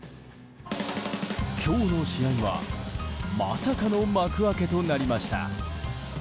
今日の試合はまさかの幕開けとなりました。